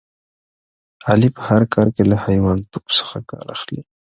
علي په هر کار کې له حیوانتوب څخه کار اخلي.